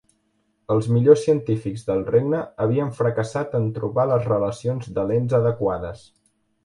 Els millors científics del regne havien fracassat en trobar les relacions de lents adequades.